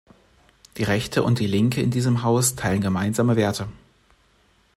Die Rechte und die Linke in diesem Haus teilen gemeinsame Werte.